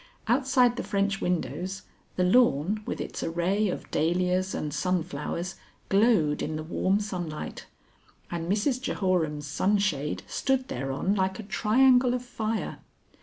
Outside the French windows, the lawn with its array of dahlias and sunflowers glowed in the warm sunlight, and Mrs Jehoram's sunshade stood thereon like a triangle of fire.